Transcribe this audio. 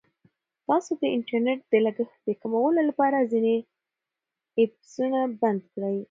تاسو د انټرنیټ د لګښت د کمولو لپاره ځینې ایپسونه بند کړئ.